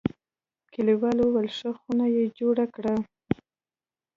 کلیوالو ویل: ښه خونه یې جوړه کړه.